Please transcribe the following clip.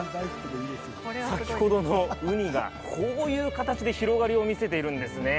先ほどのウニがこういう形で広がりを見せているんですね。